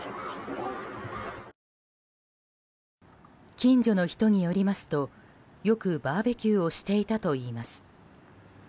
近所の人によりますとよくバーベキューをしていたといいます。